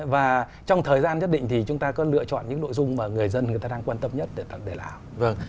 và trong thời gian nhất định thì chúng ta có lựa chọn những nội dung mà người dân người ta đang quan tâm nhất để làm